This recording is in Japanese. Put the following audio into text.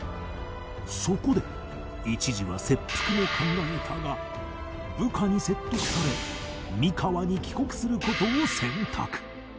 そこで一時は切腹も考えたが部下に説得され三河に帰国する事を選択